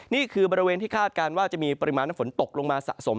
นี่คือบริเวณที่คาดการณ์ว่าจะมีปริมาณน้ำฝนตกลงมาสะสม